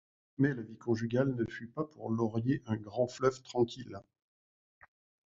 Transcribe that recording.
Mais la vie conjugale ne fut pas pour Laurier un grand fleuve tranquille.